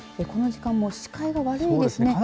この時間も視界が悪いですね。